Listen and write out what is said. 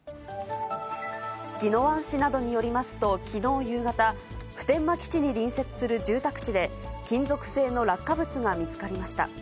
宜野湾市などによりますと、きのう夕方、普天間基地に隣接する住宅地で、金属製の落下物が見つかりました。